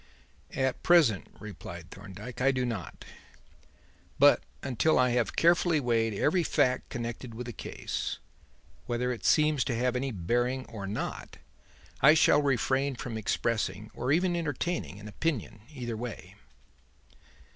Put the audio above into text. "At present," replied Thorndyke, "I do not. But until I have carefully weighed every fact connected with the case whether it seems to have any bearing or not I shall refrain from expressing, or even entertaining, an opinion either way."